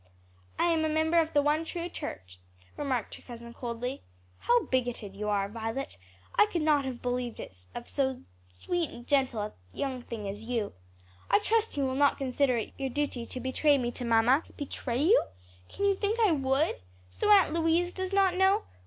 "I am a member of the one true church," returned her cousin coldly. "How bigoted you are, Violet. I could not have believed it of so sweet and gentle a young thing as you. I trust you will not consider it your duty to betray me to mamma?" "Betray you? can you think I would? So Aunt Louise does not know?